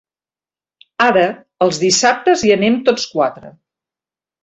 Ara, els dissabtes hi anem tots quatre.